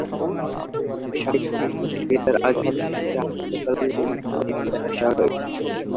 সাবেক পাকিস্তান ক্রিকেটার আজহার খানকে আপত্কালীন নির্বাচক কমিটির দায়িত্ব দেওয়া হয়েছে।